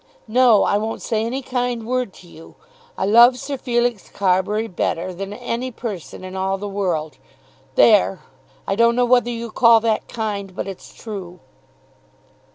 No; I won't say any kind word to you. I love Sir Felix Carbury better than any person in all the world. There! I don't know whether you call that kind, but it's true."